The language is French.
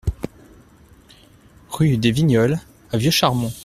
Rue des Vignoles à Vieux-Charmont